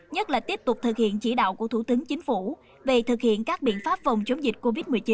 nhất là tiếp tục thực hiện chỉ đạo của thủ tướng chính phủ về thực hiện các biện pháp phòng chống dịch covid một mươi chín